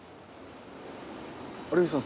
有吉さん